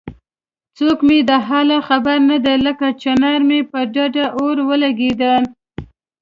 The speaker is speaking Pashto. څوک مې د حاله خبر نه دی لکه چنار مې په ډډ اور ولګېدنه